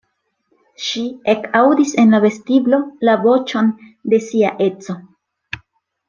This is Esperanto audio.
Ŝi ekaŭdis en la vestiblo la voĉon de sia edzo.